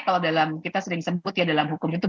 kalau dalam kita sering sebut ya dalam hukum itu